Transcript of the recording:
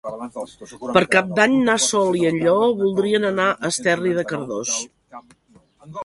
Per Cap d'Any na Sol i en Lleó voldrien anar a Esterri de Cardós.